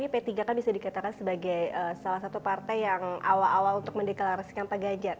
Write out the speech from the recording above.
p tiga kan bisa dikatakan sebagai salah satu partai yang awal awal untuk mendeklarasikan pak ganjar